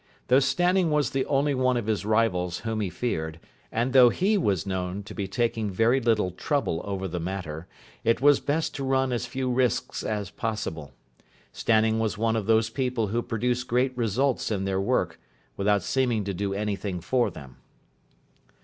Though Stanning was the only one of his rivals whom he feared, and though he was known to be taking very little trouble over the matter, it was best to run as few risks as possible. Stanning was one of those people who produce great results in their work without seeming to do anything for them.